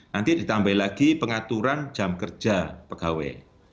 nanti ditambah lagi pengaturan jam kerja pegawai